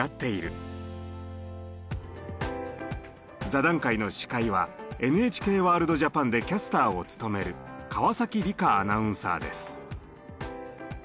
座談会の司会はＮＨＫＷＯＲＬＤＪＡＰＡＮでキャスターを務める川理加アナウンサーです。